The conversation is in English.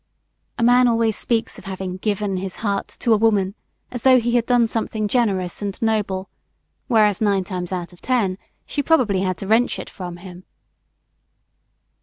A man always speaks of having "given" his heart to a woman as though he had done something generous and noble; whereas, nine times out of ten, she probably had to wrench it from him.